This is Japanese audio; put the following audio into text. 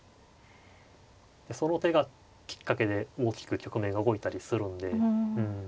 その手がきっかけで大きく局面が動いたりするんで。